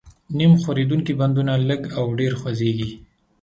نیم ښورېدونکي بندونه لږ او ډېر خوځېږي.